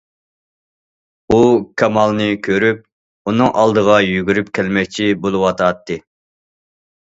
ئۇ كامالنى كۆرۈپ، ئۇنىڭ ئالدىغا يۈگۈرۈپ كەلمەكچى بولۇۋاتاتتى.